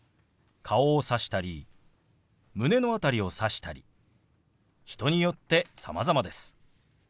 顔をさしたり胸の辺りをさしたり人によってさまざまです。